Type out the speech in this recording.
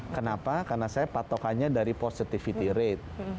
kenapa karena saya patokannya dari positivity rate